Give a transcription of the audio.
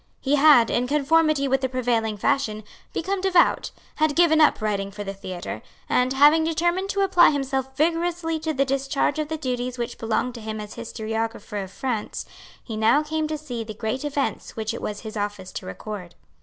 He had, in conformity with the prevailing fashion, become devout, had given up writing for the theatre; and, having determined to apply himself vigorously to the discharge of the duties which belonged to him as historiographer of France, he now came to see the great events which it was his office to record.